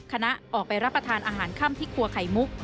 คณะออกไปรับประทานอาหารค่ำที่ครัวไข่มุก